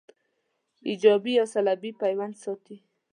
ایجابي یا سلبي پیوند ساتي